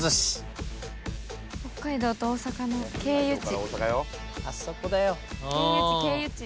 北海道と大阪の経由地。